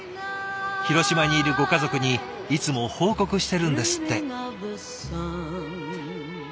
広島にいるご家族にいつも報告してるんですって。